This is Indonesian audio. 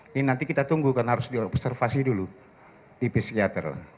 ini nanti kita tunggu karena harus diobservasi dulu di psikiater